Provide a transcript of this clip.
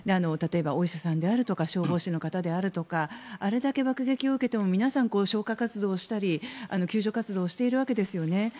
例えばお医者さんであるとか消防士の方であるとかあれだけ爆撃を受けても消火活動をしたり救助活動しているわけですよね。